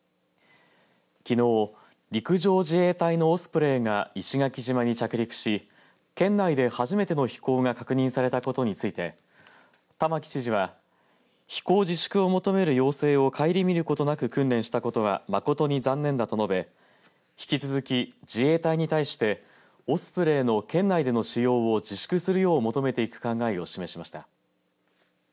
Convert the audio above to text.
きのう、陸上自衛隊のオスプレイが石垣島に着陸し県内で初めての飛行が確認されたことについて玉城知事は飛行自粛を求める要請を顧みることなく訓練したことは誠に残念だと述べ引き続き自衛隊に対してオスプレイの県内での使用を自粛するよう求めていく考えを示しました。